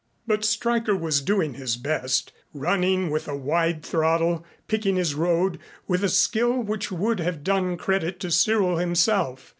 But Stryker was doing his best, running with a wide throttle picking his road with a skill which would have done credit to Cyril himself.